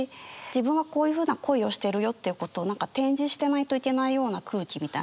自分はこういうふうな恋をしてるよということを何か展示してないといけないような空気みたいなのが。